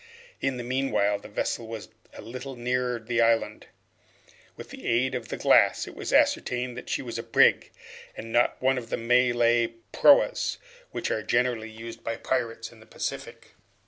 In the meanwhile, the vessel was a little nearer the island. With the aid of the glass, it was ascertained that she was a brig, and not one of those Malay proas, which are generally used by the pirates of the Pacific.